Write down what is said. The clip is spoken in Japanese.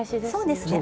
そうですね。